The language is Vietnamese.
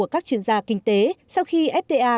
chuyên gia kinh tế sau khi fta